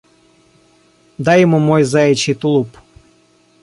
Дай ему мой заячий тулуп».